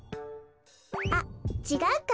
あっちがうか。